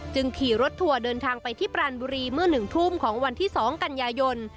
ขี่รถทัวร์เดินทางไปที่ปรานบุรีเมื่อ๑ทุ่มของวันที่๒กันยายน